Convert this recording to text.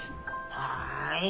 はい。